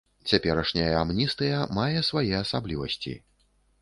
Цяперашняя амністыя мае свае асаблівасці.